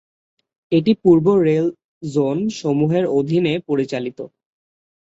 এটি পূর্ব rail zone সমূহের অধীনে পরিচালিত।